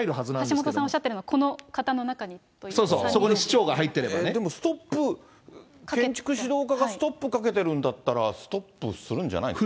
橋下さんおっしゃってるのは、そうそう、そこに市長が入っでもストップ、建築指導課がストップかけてるんだったら、ストップするんじゃないんですか？